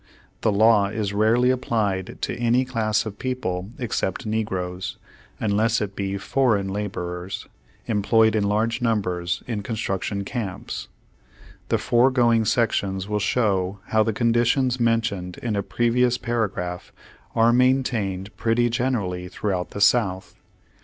The law, is rarely applied to any class of people except negroes, unless it be foreign laborers, employed in large numbers in construction camps. The fore going sections will show how the conditions men tioned in a previous paragraph are maintained pretty generally throughout the South.